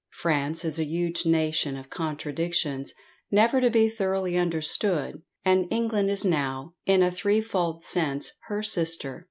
France is a huge nation of contradictions, never to be thoroughly understood, and England is now, in a threefold sense, her sister!